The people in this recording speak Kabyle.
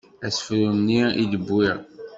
Asefru-nni i d-wwiɣ.